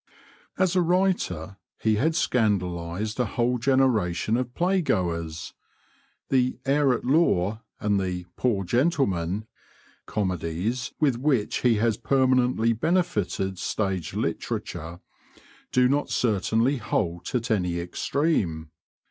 As a writer he had scandalised a whole generation of playgoers. The 'Heir at Law' and the 'Poor Gentleman,' comedies with which he has permanently benefited stage literature, do not certainly halt at any extreme.